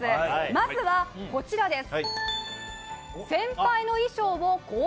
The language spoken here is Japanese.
まずはこちらです。